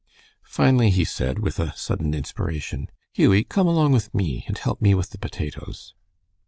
Finally he said, with a sudden inspiration, "Hughie, come along with me, and help me with the potatoes."